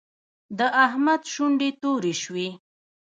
د احمد شونډې تورې شوې.